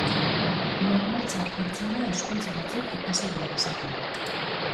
Normaltzat hartzen da hizkuntza batzuk ikasi behar izatea.